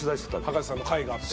葉加瀬さんの回があって。